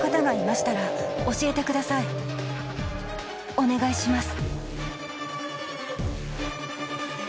「お願いします」